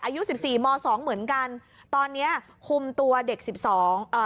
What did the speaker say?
อายุสิบสี่มสองเหมือนกันตอนเนี้ยคุมตัวเด็กสิบสองอ่า